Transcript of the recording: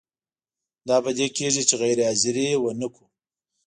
دا په دې کیږي چې غیر حاضري ونه کړو.